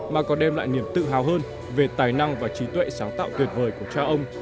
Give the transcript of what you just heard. mà còn đem lại niềm tự hào hơn về tài năng và trí tuệ sáng tạo tuyệt vời của cha ông